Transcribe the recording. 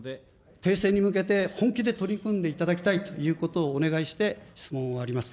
停戦に向けて、本気で取り組んでいただきたいということをお願いして、質問を終わります。